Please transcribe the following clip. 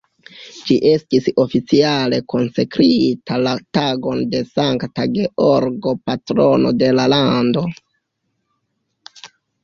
Ĝi estis oficiale konsekrita la tagon de Sankta Georgo, patrono de la lando.